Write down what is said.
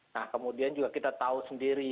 nah kemudian juga kita tahu sendiri